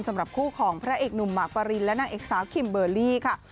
สำหรับคู่ของพระเอกหนุ่มหมากปรินและนางเอกสาวคิมเบอร์รี่ค่ะ